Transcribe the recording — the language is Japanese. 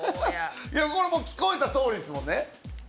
これはもう聞こえたとおりですもんね。